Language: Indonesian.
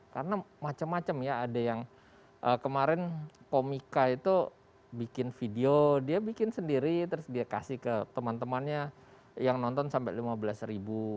karena macam macam ya ada yang kemarin komika itu bikin video dia bikin sendiri terus dia kasih ke teman temannya yang nonton sampai lima belas ribu